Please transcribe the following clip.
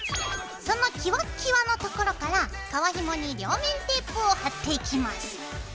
そのキワッキワのところから革ひもに両面テープを貼っていきます。